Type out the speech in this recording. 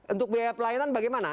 untuk biaya pelayanan bagaimana